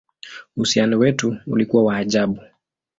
Uhusiano wetu ulikuwa wa ajabu!